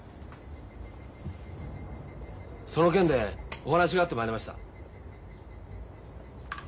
その件でお話があって参りました。